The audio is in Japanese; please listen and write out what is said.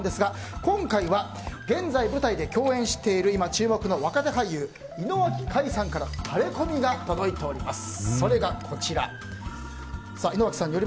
今回は現在、舞台で共演している今注目の若手俳優井之脇海さんから行きつけ教えます！